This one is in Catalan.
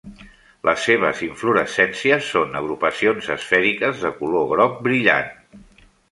Les seves inflorescències són agrupacions esfèriques de color groc brillant.